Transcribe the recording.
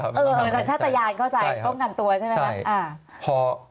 ชัดทะยานเข้าใจต้องกันตัวใช่ไหม